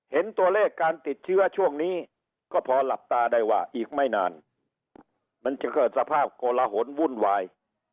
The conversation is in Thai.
เห็นตัวเลขการติดเชื้อช่วงนี้ก็พอหลับตาได้ว่าอีกไม่นานมันจะเกิดสภาพโกลหนวุ่นวาย